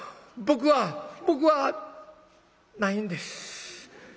僕は僕はないんです。